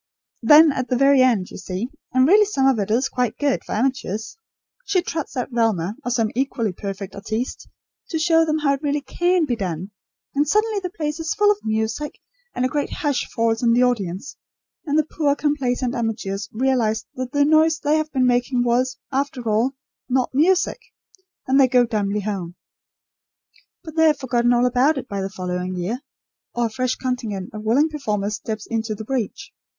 Then at the very end, you see and really some of it is quite good for amateurs she trots out Velma, or some equally perfect artiste, to show them how it really can be done; and suddenly the place is full of music, and a great hush falls on the audience, and the poor complacent amateurs realise that the noise they have been making was, after all, not music; and they go dumbly home. But they have forgotten all about it by the following year; or a fresh contingent of willing performers steps into the breach.